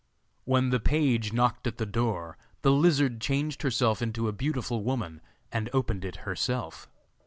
When the page knocked at the door the lizard changed herself into a beautiful woman, and opened it herself.